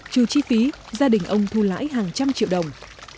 trừ chi phí gia đình ông thu lãi hàng trăm triệu đồng